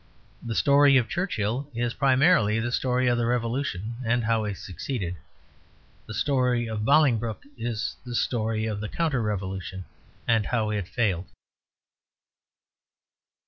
The story of Churchill is primarily the story of the Revolution and how it succeeded; the story of Bolingbroke is the story of the Counter Revolution and how it failed.